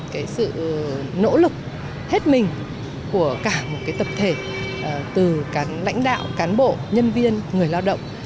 cái sự nỗ lực hết mình của cả một cái tập thể từ cả lãnh đạo cán bộ nhân viên người lao động